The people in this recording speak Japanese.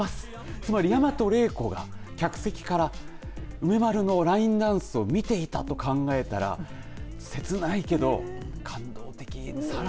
つまり、大和礼子が客席から梅丸のラインダンスを見ていたと考えたら切ないけど、感動的。